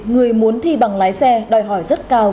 người muốn thi bằng lái xe đòi hỏi rất cao